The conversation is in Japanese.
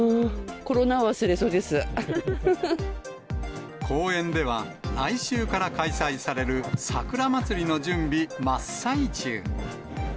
コロナ忘れそうで公園では、来週から開催されるさくらまつりの準備真っ最中。